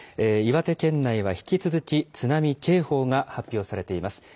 岩手県内は引き続き、津波警報が発表されています。